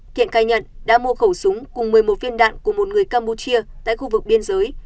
thiện khai nhận đã mua khẩu súng cùng một mươi một viên đạn của một người campuchia tại khu vực biên giới